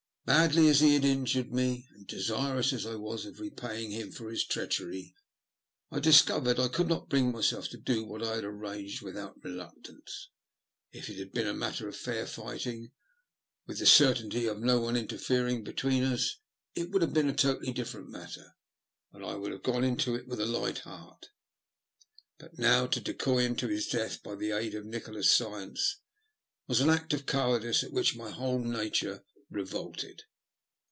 Badly as he had injured me, and desirous as I was of repaying him for his treachery, I discovered I could not bring myself to do what I had arranged without reluctance. If it had been a matter of fair fighting, with the certainty of no one interfering be tween us, it would have been a totally different matter, and I could have gone into it with a light heart ; but now to decoy him to his death by the aid of Nikola's science was an act of cowardice at which my whole nature revolted.